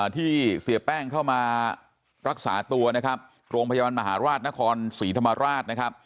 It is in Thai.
ที่เสียแป้งเข้ามารักษาตัวกรงพยาบาลมหาราชนครสีธรรมาราช